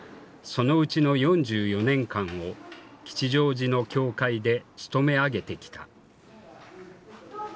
そのうちの４４年間を吉祥寺の教会でつとめ上げてきた。